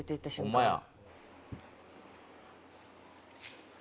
ホンマや。